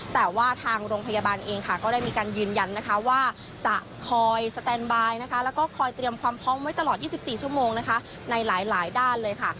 แต่ว่าทางโรงพยาบาลเองค่ะก็ได้มีการยืนยันนะคะว่าจะคอยสแตนบายนะคะแล้วก็คอยเตรียมความพร้อมไว้ตลอด๒๔ชั่วโมงนะคะในหลายด้านเลยค่ะ